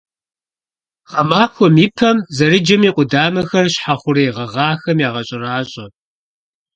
Гъэмахуэм и пэм зэрыджэм и къудамэхэр щхьэ хъурей гъэгъахэм ягъэщӀэращӀэ.